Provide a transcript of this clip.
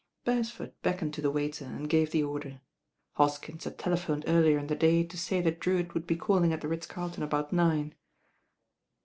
Beresford beckoned to the waiter and gave the or der. Hoskins had telephoned earlier in the day to say that Drewitt would be calling at the Ritz Carlton about nine.